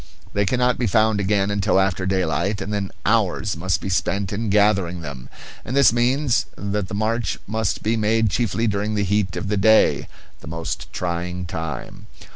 They cannot be found again until after daylight, and then hours must be spent in gathering them; and this means that the march must be made chiefly during the heat of the day, the most trying time.